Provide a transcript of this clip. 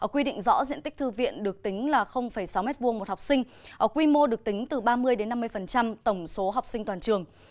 quy định rõ diện tích thư viện được tính là sáu m hai một học sinh quy mô được tính từ ba mươi năm mươi tổng số học sinh toàn trường